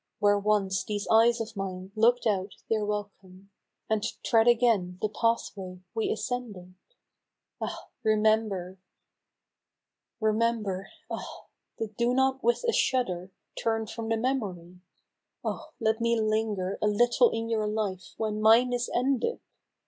Where once these eyes of mine look'd out their wel come, And tread again the pathway we ascended, Ah ! remember ! Remember, ah ! but do not with a shudder, Turn from the memory. Oh ! let me linger A little in your life when mine is ended